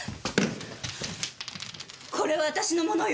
これは私のものよ！